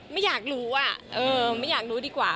ไม่อยากรู้อะไม่อยากรู้ดีกว่า